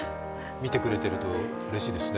見てくれているとうれしいですね。